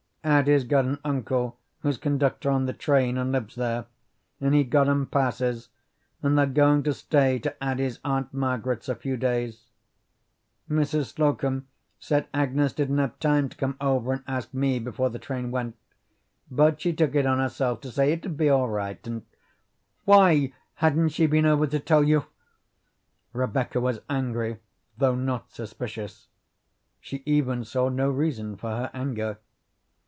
Addie's got an uncle who's conductor on the train, and lives there, and he got 'em passes, and they're goin' to stay to Addie's Aunt Margaret's a few days. Mrs. Slocum said Agnes didn't have time to come over and ask me before the train went, but she took it on herself to say it would be all right, and " "Why hadn't she been over to tell you?" Rebecca was angry, though not suspicious. She even saw no reason for her anger.